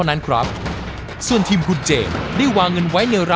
อาหารแบบจานเด็ดจานโปรดอ่ะ